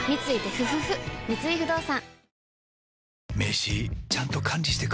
三井不動産